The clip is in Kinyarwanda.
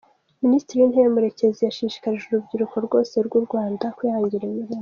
Minisitiri w’Intebe Murekezi yashishikarije urubyiruko rwose rw’ u Rwanda kwihangira imirimo .